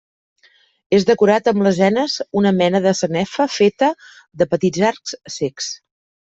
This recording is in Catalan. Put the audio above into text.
És decorat amb lesenes, una mena de sanefa feta de petits arcs cecs.